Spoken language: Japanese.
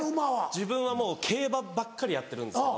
自分はもう競馬ばっかりやってるんですけど。